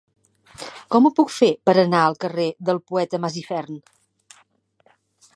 Com ho puc fer per anar al carrer del Poeta Masifern?